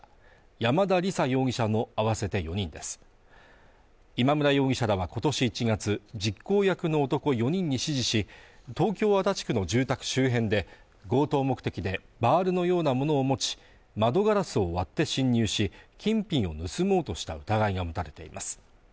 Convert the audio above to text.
山田李沙容疑者の合わせて４人です今村容疑者らは今年１月実行役の男４人に指示し東京・足立区の住宅周辺で強盗目的でバールのようなものを持ち窓ガラスを割って侵入し金品を盗もうとした疑いが持たれています